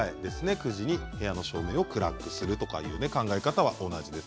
９時に部屋の照明を暗くするという考え方は同じです。